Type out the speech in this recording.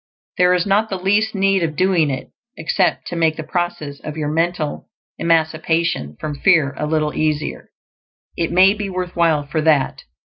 There is not the least need of doing it, except to make the process of your mental emancipation from fear a little easier; it may be worth while for that.